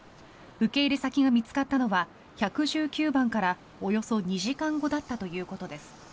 受け入れ先が見つかったのは１１９番からおよそ２時間後だったということです。